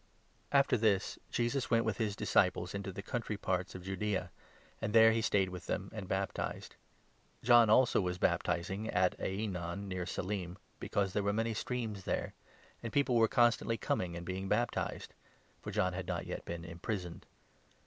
After this, Jesus went with his disciples into the 22 TTe«ftfmo'ny* country parts of Judaea ; and there he stayed with to Jesus them, and baptized. John, also, was baptizing 23 in Judaea. aj Aenon near Salim, because there were many streams there ; and people were constantly coming and being baptized. (Forjohn had notyet been imprisoned).